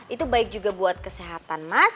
itu baik juga buat kesehatan mas